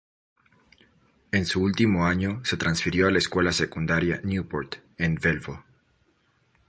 En su último año se transfirió a la Escuela Secundaria Newport en Bellevue.